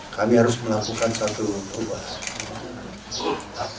kami harus melakukan satu hal yang sangat mendalam bagi kami dan ini menjadi satu titik bahwa